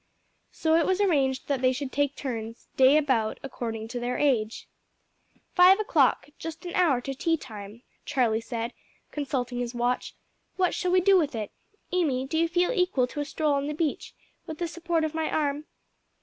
So it was arranged that they should take turns, day about, according to their age. "Five o'clock just an hour to tea time," Charlie said, consulting his watch: "what shall we do with it? Amy, do you feel equal to a stroll on the beach, with the support of my arm?"